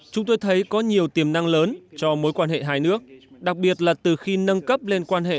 chúng tôi thấy có nhiều tiềm năng lớn cho mối quan hệ hai nước đặc biệt là từ khi nâng cấp lên quan hệ